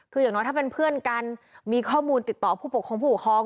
คืออย่างน้อยถ้าเป็นเพื่อนกันมีข้อมูลติดต่อผู้ปกครองผู้ปกครอง